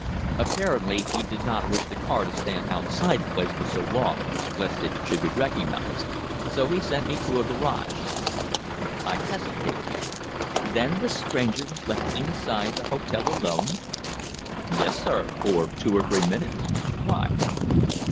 Apparently he did not wish the car to stand outside the place for so long, lest it should be recognized. So he sent me to a garage." I hesitated. "Then the stranger was left inside the hotel alone?" "Yes, sir, for two or three minutes. Why?"